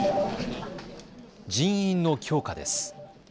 人員の強化です。